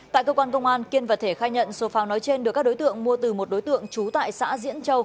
tại cơ quan công an kiên và thể khai nhận số pháo nói trên được các đối tượng mua từ một đối tượng trú tại xã diễn châu